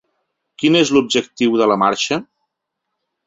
Quin és l’objectiu de la marxa?